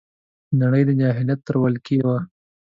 نړۍ د جاهلیت تر ولکې وه